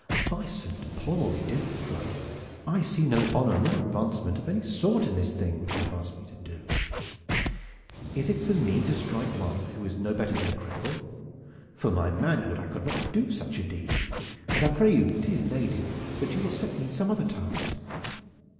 "By Saint Paul! Edith," he cried, "I see no honor nor advancement of any sort in this thing which you have asked me to do. Is it for me to strike one who is no better than a cripple? For my manhood I could not do such a deed, and I pray you, dear lady, that you will set me some other task."